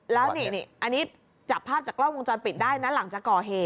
แล้วนี่จับภาพจากกล้องวงจรปิดได้หลังจากกเ